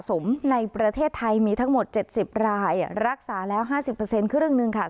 ป่วยสะสมในประเทศไทยมีทั้งหมดเจ็ดสิบรายรักษาแล้วห้าสิบเปอร์เซ็นต์ครึ่งหนึ่งค่ะ